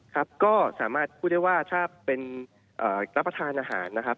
ครับก็สามารถพูดได้ว่าถ้าเป็นรับประทานอาหารนะครับ